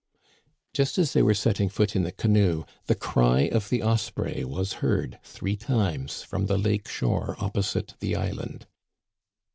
Just as they were setting foot in the canoe the cry of the osprey was heard three times from the lake shore opposite the island.